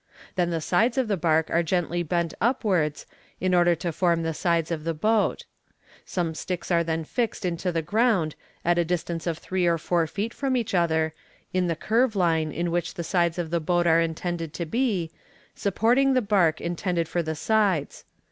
Then the sides of the bark are gently bent upwards, in order to form the sides of the boat. Some sticks are then fixed into the ground at the distance of three or four feet from each other, in the curve line in which the sides of the boat are intended to be, supporting the bark intended for the sides.